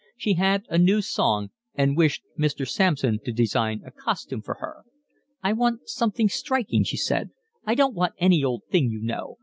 She had a new song and wished Mr. Sampson to design a costume for her. "I want something striking," she said. "I don't want any old thing you know.